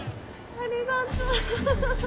ありがとう。